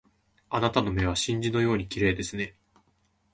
あなたの目は真珠のように綺麗ですね